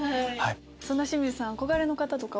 そんな清水さん。